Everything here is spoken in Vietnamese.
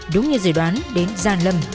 đúng như dự đoán đến gia lâm